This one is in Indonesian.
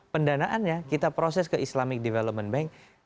pendanaannya kita proses ke islamic development bank